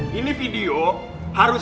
bagoni itu juga serius